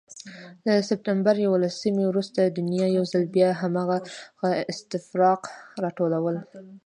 له سپتمبر یوولسمې وروسته دنیا یو ځل بیا هماغه استفراق راټول کړ.